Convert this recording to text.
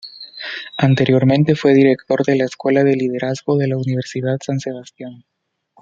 Anteriormente fue director de la Escuela de Liderazgo de la Universidad San Sebastián.